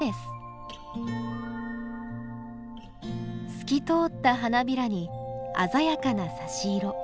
透き通った花びらに鮮やかなさし色。